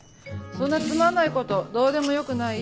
そんなつまんないことどうでもよくない？